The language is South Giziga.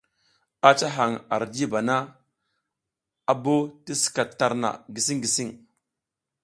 A ca hang ar jiba na, a bo ti skat tarna gising gising.